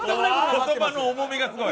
言葉の重みがすごい。